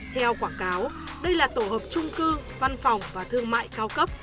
theo quảng cáo đây là tổ hợp trung cư văn phòng và thương mại cao cấp